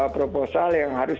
proposal yang harus